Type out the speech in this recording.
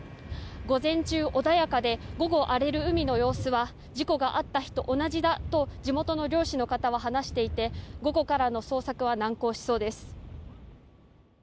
午前中、穏やかで午後、荒れる海の様子は事故があった日と同じだと地元の漁師の方は話していて午後からの捜索は難航しそうです。